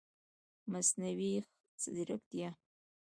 مصنوعي ځرکتیا